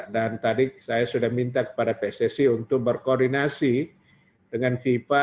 dan tadi saya sudah minta kepada pssc untuk berkoordinasi dengan fifa